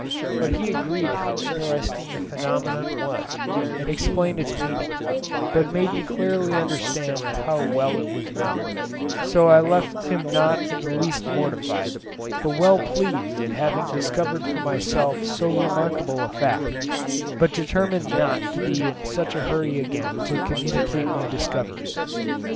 But he agreed how interesting the phenomenon was, and explained its meaning, but made me clearly understand how well it was known; so I left him not in the least mortified, but well pleased at having discovered for myself so remarkable a fact, but determined not to be in such a hurry again to communicate my discoveries.